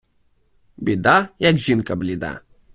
Біда, як жінка бліда.